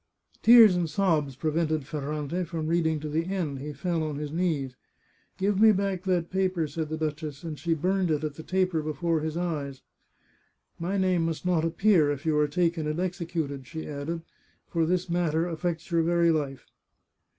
Tears and sobs prevented Ferrante from reading to the end ; he fell on his knees. " Give me back that paper," said the duchess, and she burned it at the taper before his eyes. " My name must not appear if you are taken and exe cuted," she added, " for this matter affects your very life."